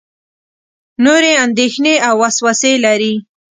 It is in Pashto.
نورې اندېښنې او وسوسې لري.